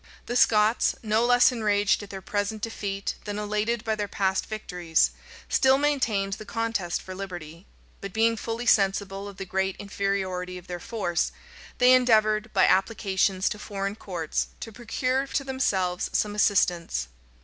The Scots, no less enraged at their present defeat than elated by their past victories, still maintained the contest for liberty; but being fully sensible of the great inferiority of their force, they endeavored, by applications to foreign courts, to procure to themselves some assistance.